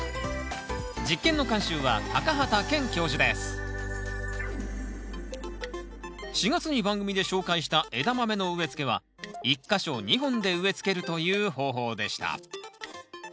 実験の監修は４月に番組で紹介したエダマメの植えつけは１か所２本で植えつけるという方法でした。